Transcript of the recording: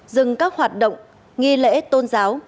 dừng các hoạt động nghi lễ tôn giáo